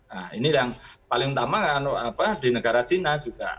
nah ini yang paling utama di negara cina juga